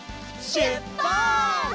しゅっぱつ！